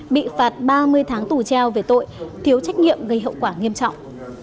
bị phạt ba mươi tháng tù treo về tội thiếu trách nhiệm gây hậu quả nghiêm trọng